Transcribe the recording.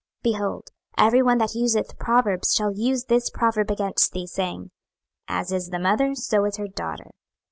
26:016:044 Behold, every one that useth proverbs shall use this proverb against thee, saying, As is the mother, so is her daughter.